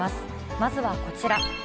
まずはこちら。